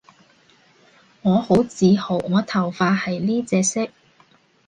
我好自豪我頭髮係呢隻色